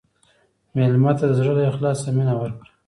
مېلمه ته د زړه له اخلاصه مینه ورکړه.